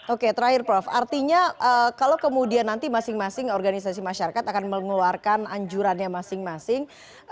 oke terakhir prof artinya kalau kemudian nanti masing masing organisasi masyarakat akan mengeluarkan anjurannya masing masing